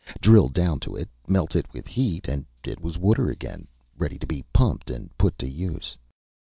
Drill down to it, melt it with heat, and it was water again, ready to be pumped and put to use.